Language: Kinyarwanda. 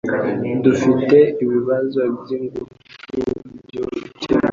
Dufite ibibazo byingutu byo gukemura